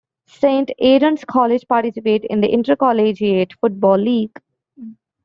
Saint Aidan's College participate in the intercollegiate football league.